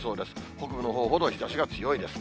北部のほうほど日ざしが強いです。